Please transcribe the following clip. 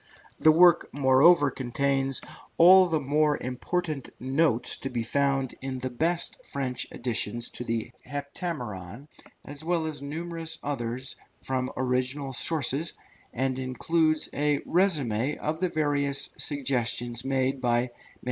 The work moreover contains all the more valuable notes to be found in the best French editions of the Heptameron, as well as numerous others from original sources, and includes a résumé of the various suggestions made by MM.